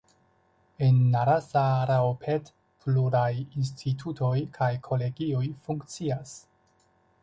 En Narasaraopet pluraj institutoj kaj kolegioj funkcias.